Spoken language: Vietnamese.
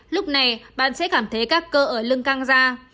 lúc này bạn sẽ cảm thấy các cơ ở lưng căng ra